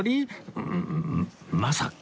うんまさか